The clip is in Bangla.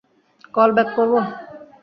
কল ব্যাক করবো।